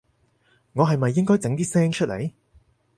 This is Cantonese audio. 我係咪應該整啲聲出來